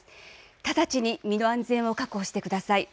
直ちに身の安全を確保してください。